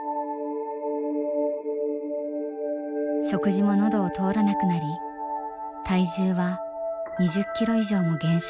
食事も喉を通らなくなり体重は２０キロ以上も減少。